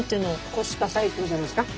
コスパ最強じゃないですか？